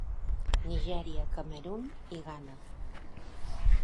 Nigèria, Camerun i Ghana.